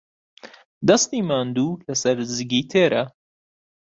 دەستی ماندوو لەسەر زگی تێرە.